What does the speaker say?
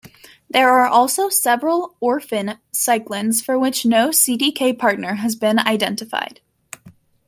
There are also several "orphan" cyclins for which no Cdk partner has been identified.